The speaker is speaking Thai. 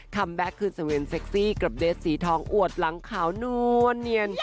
คำแบ็กขึ้นเสมือนเซ็กซี่กับเดสต์สีทองอวดหลังขาวนู่นเนียน